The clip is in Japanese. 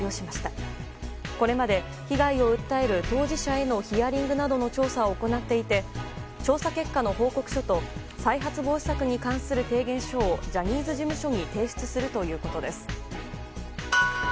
特別チームはこれまで被害を訴える当事者へのヒアリングなどの調査を行っていて調査結果の報告書と再発防止策に関する提言書をジャニーズ事務所に提出するということです。